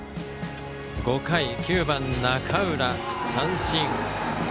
５回、９番の中浦は三振。